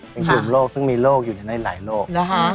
เป็นกลุ่มโรคซึ่งมีโรคอยู่ในหลายโรค